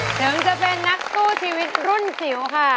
ถึงจะเป็นนักสู้ชีวิตรุ่นจิ๋วค่ะ